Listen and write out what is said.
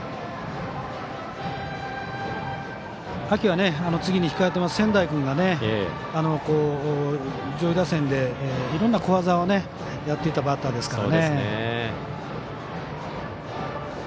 秋は次に控えている千代君が上位打線でいろんな小技をやっていたバッターですから。